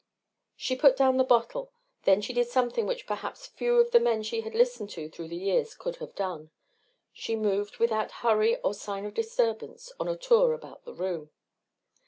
She put down the bottle. Then she did something which perhaps few of the men she had listened to through the years could have done. She moved without hurry or sign of disturbance on a tour about the room.